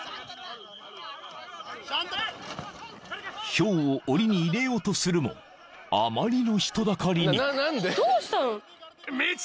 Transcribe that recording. ［ヒョウをおりに入れようとするもあまりの人だかりに］